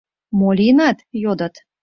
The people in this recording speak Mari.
— Мо лийынат? — йодыт.